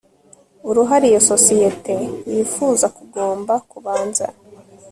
uruhare iyo sosiyete yifuza kugomba kubanza